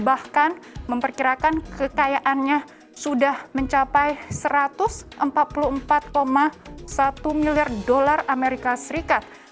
bahkan memperkirakan kekayaannya sudah mencapai satu ratus empat puluh empat satu miliar dolar amerika serikat